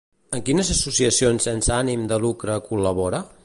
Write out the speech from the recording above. En quines associacions sense ànim de lucre col·labora?